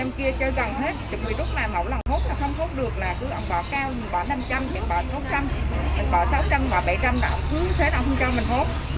năm kia chơi gần hết lúc mà mẫu lòng hốt là không hốt được là cứ bỏ cao bỏ năm trăm linh bỏ sáu trăm linh bỏ bảy trăm linh bỏ bảy trăm linh cứ thế là không cho mình hốt